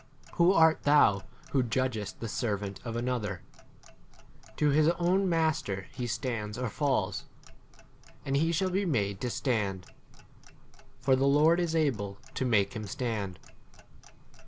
Who art thou who judgest the servant of another ? to his own master he stands or falls. And he shall be made to stand; for the Lords is able to make 5 him stand.